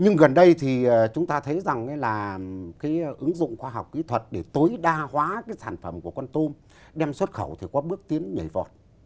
nhưng gần đây thì chúng ta thấy rằng là cái ứng dụng khoa học kỹ thuật để tối đa hóa cái sản phẩm của con tôm đem xuất khẩu thì có bước tiến nhảy vọt